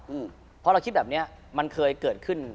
อืมเพราะเราคิดแบบเนี้ยมันเคยเกิดขึ้น